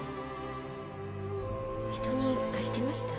人に貸してました。